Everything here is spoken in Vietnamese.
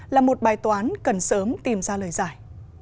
là một bài toán cần sớm tìm ra lời giải